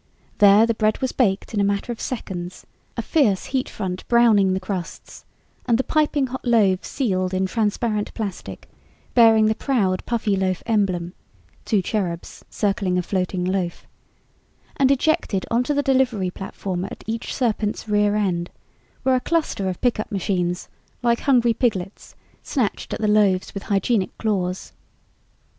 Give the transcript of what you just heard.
There the bread was baked in a matter of seconds, a fierce heat front browning the crusts, and the piping hot loaves sealed in transparent plastic bearing the proud Puffyloaf emblem (two cherubs circling a floating loaf) and ejected onto the delivery platform at each serpent's rear end, where a cluster of pickup machines, like hungry piglets, snatched at the loaves with hygienic claws.